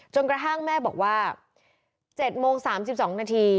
กระทั่งแม่บอกว่า๗โมง๓๒นาที